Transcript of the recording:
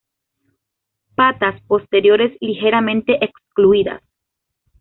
Patas posteriores ligeramente excluidas.